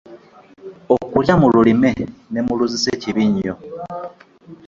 Okulya mu lulime ne mu luzise kibi nnyo.